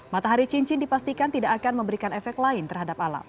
matahari cincin dipastikan tidak akan memberikan efek lain terhadap alam